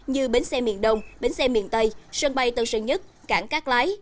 như bến xe miền đông bến xe miền tây sân bay tân sơn nhất cảng cát lái